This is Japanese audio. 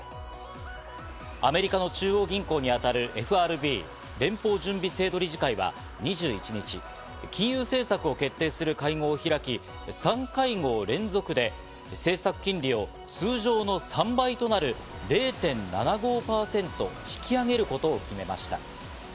アメリカの中央銀行に当たるＦＲＢ＝連邦準備制度理事会は２１日、金融政策を決定する会合を開き、３会合連続で政策金利を通常の３倍となる０．７５％引き上げることを決めました。